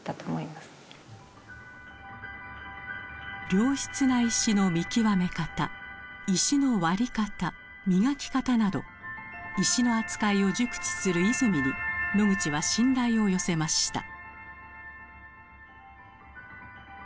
良質な石の見極め方石の割り方磨き方など石の扱いを熟知する和泉にノグチは信頼を寄せました。